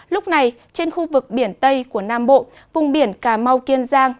lúc này trên khu vực biển tây của nam bộ vùng biển cà mau kiên giang